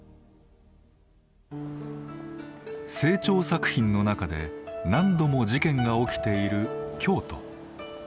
清張作品の中で何度も事件が起きている京都。